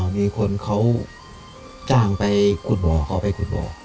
มีคนเขาจ้างไปขุดบ่อเขาไปขุดบ่อ